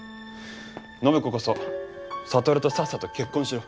暢子こそ智とさっさと結婚しろ。